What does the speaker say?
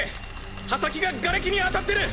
刃先がガレキに当たってる！